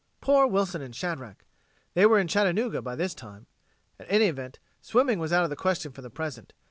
Poor Wilson and Shadrack! They were in Chattanooga by this time. At any event, swimming was out of the question for the present.